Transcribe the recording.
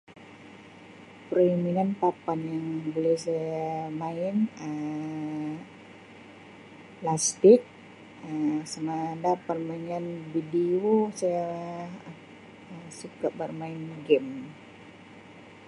Perminan papan yang buli saya main Um lastik sama dart permainan video saya suka bermain game.